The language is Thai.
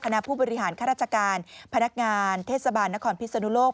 คณะผู้บริหารข้าราชการพนักงานเทศบาลนครพิศนุโลก